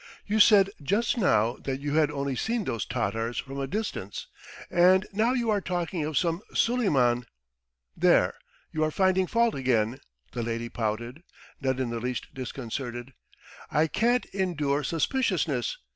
"You said just now that you had only seen those Tatars from a distance, and now you are talking of some Suleiman." "There, you are finding fault again," the lady pouted, not in the least disconcerted. "I can't endure suspiciousness!